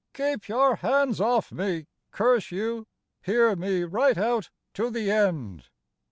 Keep your hands off me, curse you ! Hear me right out to the end.